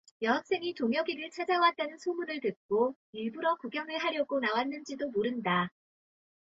여학생이 동혁이를 찾아왔다는 소문을 듣고 일부러 구경을 하려고 나왔는지도 모른다.